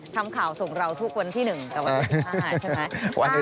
ทำข่าวส่งเราทุกวันที่๑กับวันที่๑๕ใช่ไหม